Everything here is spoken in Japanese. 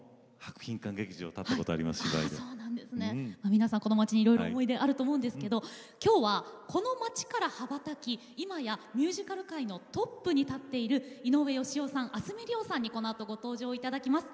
皆さんこの街にいろいろ思い出あると思うんですけどきょうはこの街から羽ばたきいまやミュージカル界のトップに立っている井上芳雄さん明日海りおさんにこのあとご登場いただきます。